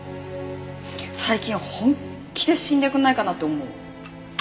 最近本気で死んでくれないかなって思う。